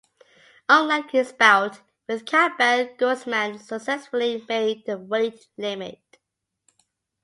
Unlike his bout with Campbell, Guzman successfully made the weight limit.